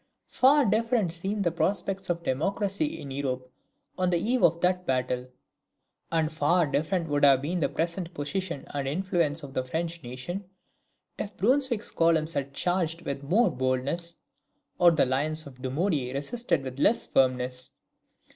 Far different seemed the prospects of democracy in Europe on the eve of that battle; and far different would have been the present position and influence of the French nation, if Brunswick's columns had charged with more boldness, or the lines of Dumouriez resisted with less firmness.